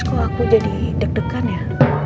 kalau aku jadi deg degan ya